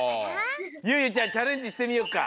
ゆうゆちゃんチャレンジしてみようか。